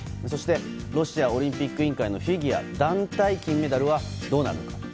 そしてロシアオリンピック委員会のフィギュア団体金メダルはどうなるのか。